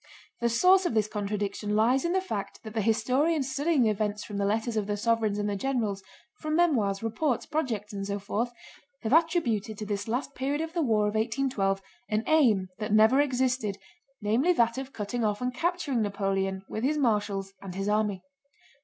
The source of this contradiction lies in the fact that the historians studying the events from the letters of the sovereigns and the generals, from memoirs, reports, projects, and so forth, have attributed to this last period of the war of 1812 an aim that never existed, namely that of cutting off and capturing Napoleon with his marshals and his army.